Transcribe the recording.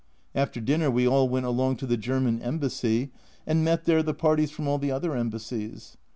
After dinner we all went along to the German Embassy, and met there the parties from all the other Embassies.